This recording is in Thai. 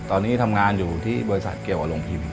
ตอนนี้ทำงานอยู่ที่บริษัทเกี่ยวกับโรงพิมพ์